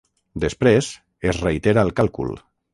Després, es reitera el càlcul.